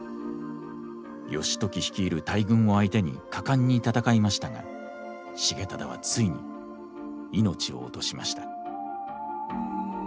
義時率いる大軍を相手に果敢に戦いましたが重忠はついに命を落としました。